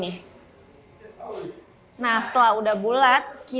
setelah udah bulat kita ambil sedikit fufunya ya secukupnya aja lalu kita bulat bulatkan nih kayak gini